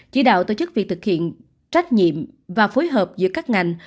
chỉ đạo tổ chức việc thực hiện trách nhiệm và phối hợp giữa các ngành